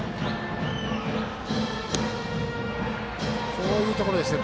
こういうところですね。